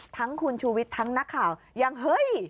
ทั้งคุณชูวิทย์ทั้งนักข่าวยังเฮ้ย